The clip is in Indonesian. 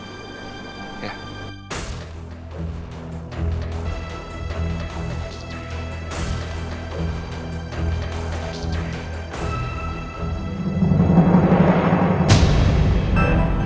aku maunya di rumah